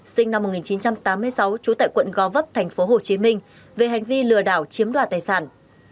sinh năm một nghìn chín trăm tám mươi sáu trú tại quận go vấp thành phố hồ chí minh về hành vi lừa đảo chiếm đoạt tài sản